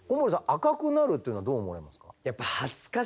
赤くなるというのはどう思われますか？